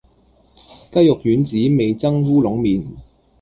雞肉丸子味噌烏龍麵